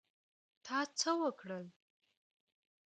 تا څه وکړل؟